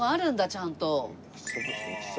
ちゃんと。